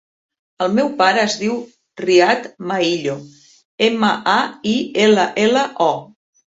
El meu pare es diu Riad Maillo: ema, a, i, ela, ela, o.